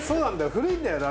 古いんだよな